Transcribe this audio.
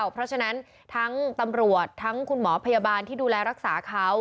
เพราะฉะนั้นทั้งตำรวจทั้งคุณหมอพยาบาลที่ดูแลรักษาเขา